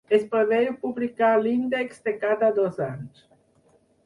Es preveu publicar l'índex de cada dos anys.